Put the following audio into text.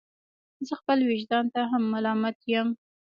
زه خپل ویجدان ته هم ملامت یم.